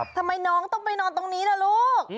ทำไมน้องต้องไปนอนตรงนี้ล่ะลูก